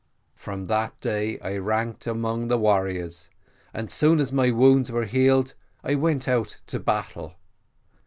"From that day I ranked among the warriors, and, as soon as my wounds were healed, I went out to battle.